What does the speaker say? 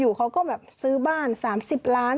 อยู่เขาก็ซื้อบ้าน๓๐ล้าน